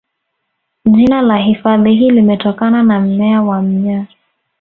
Jina la hifadhi hii limetokana na mmea wa mnyaa